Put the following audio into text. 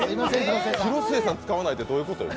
広末さん使わないってどういうことよ？